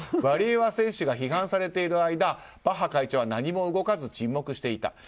ワリエワ選手が批判されている間バッハ会長は何も動かず沈黙していた。